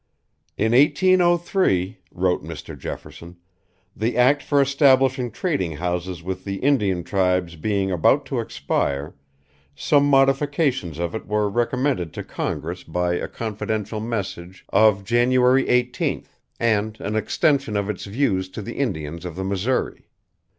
"In 1803," wrote Mr. Jefferson, "the act for establishing trading houses with the Indian tribes being about to expire, some modifications of it were recommended to Congress by a confidential message of January 18th, and an extension of its views to the Indians of the Missouri.